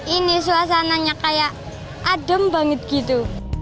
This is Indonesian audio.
ini suasananya kayak adem banget gitu